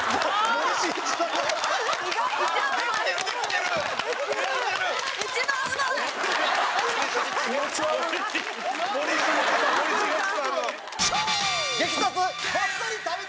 森進一さんだ。